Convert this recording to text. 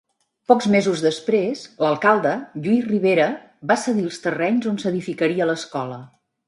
Pocs mesos després, l'alcalde, Lluís Ribera, va cedir els terrenys on s'edificaria l'escola.